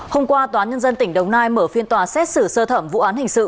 hôm qua tòa nhân dân tỉnh đồng nai mở phiên tòa xét xử sơ thẩm vụ án hình sự